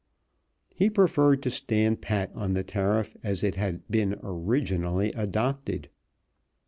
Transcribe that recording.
He preferred to stand pat on the tariff as it had been originally adopted.